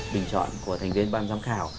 bình chọn của thành viên ban giám khảo